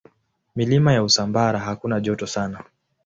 Milima ya Usambara hakuna joto sana.